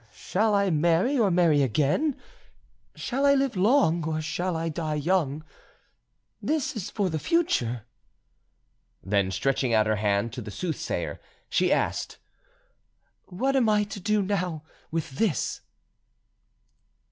"Shall I marry, or marry again? Shall I live long, or shall I die young? This is for the future." Then, stretching out her hand to the soothsayer, she asked— "What am I to do now with this?"